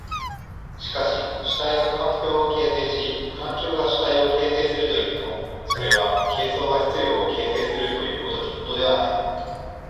しかし主体が環境を形成し環境が主体を形成するといっても、それは形相が質料を形成するという如きことではない。